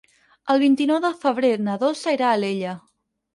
El vint-i-nou de febrer na Dolça irà a Alella.